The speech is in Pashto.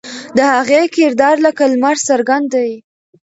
د هغې کردار لکه لمر څرګند دی.